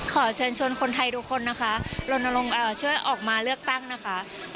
ขอเชิญชวนคนไทยทุกคนนะคะลนลงช่วยออกมาเลือกตั้งนะคะ